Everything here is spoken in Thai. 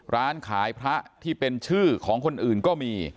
ร้านขายพระที่เป็นชื่อของคนอื่นก็มี